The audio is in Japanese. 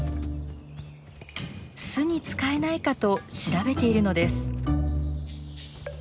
巣に使えないかと調べているのです。